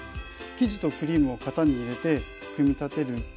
生地とクリームを型に入れて組み立てる。